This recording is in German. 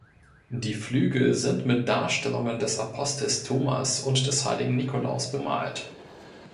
Die Flügel sind mit Darstellungen des Apostels Thomas und des heiligen Nikolaus bemalt.